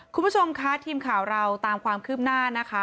คุณผู้ชมคะทีมข่าวเราตามความคืบหน้านะคะ